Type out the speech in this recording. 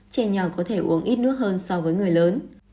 trẻ nhỏ có thể uống ít nước hơn so với người lớn